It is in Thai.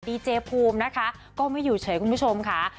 ดีเจภูมินะคะก็ไม่อยู่เฉยคุณผู้ชมค่ะ